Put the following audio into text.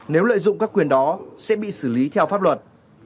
nếu lợi dụng các quyền đó sẽ bị xử lý theo pháp luật